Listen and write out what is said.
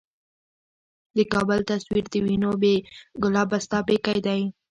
د کـــــــــابل تصویر د وینو ،بې ګلابه ستا پیکی دی